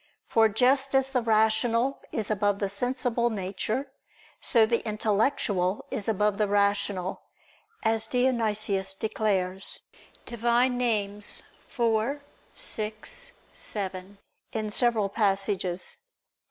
For just as the rational is above the sensible nature, so the intellectual is above the rational, as Dionysius declares (Div. Nom. iv, vi, vii) in several passages.